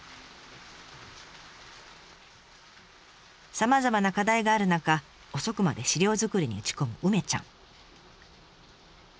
さまざまな課題がある中遅くまで資料作りに打ち込む梅ちゃん。